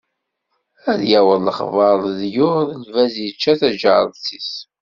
Ad yaweḍ lexbar leḍyur lbaz yečča taǧaret-is.